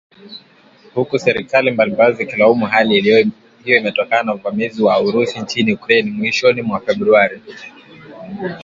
Huku serikali mbalimbali zikilaumu hali hiyo imetokana na uvamizi wa Urusi nchini Ukraine mwishoni mwa Februari